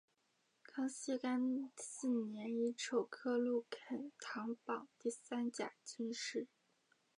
康熙廿四年乙丑科陆肯堂榜第三甲进士。